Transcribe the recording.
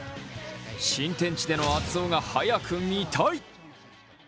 新天地での熱男が早く見たい。